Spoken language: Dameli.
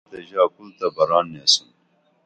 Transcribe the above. روخ رمٹیں تہ ژا کُل تہ بران نیسُن